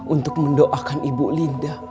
untuk mendoakan ibu linda